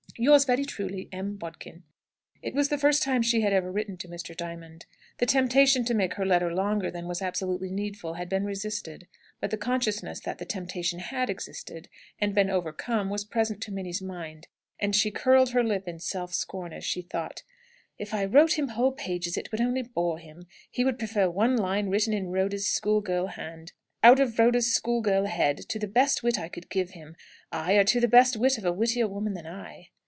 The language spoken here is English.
"Yours very truly, "M. BODKIN." It was the first time she had ever written to Mr. Diamond. The temptation to make her letter longer than was absolutely needful had been resisted. But the consciousness that the temptation had existed, and been overcome, was present to Minnie's mind; and she curled her lip in self scorn as she thought, "If I wrote him whole pages it would only bore him. He would prefer one line written in Rhoda's school girl hand, out of Rhoda's school girl head, to the best wit I could give him; aye, or to the best wit of a wittier woman than I."